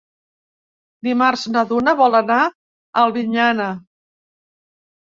Dimarts na Duna vol anar a Albinyana.